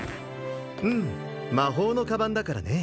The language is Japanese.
うん魔法の鞄だからね